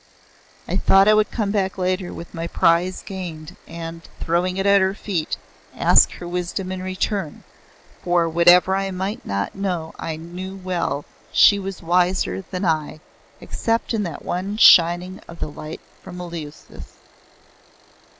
I thought I would come back later with my prize gained and throwing it at her feet ask her wisdom in return, for whatever I might not know I knew well she was wiser than I except in that one shining of the light from Eleusis.